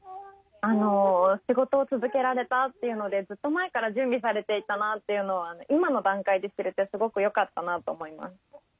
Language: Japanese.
仕事を続けられたっていうのでずっと前から準備されていたなというのは今の段階で知れてすごくよかったなと思います。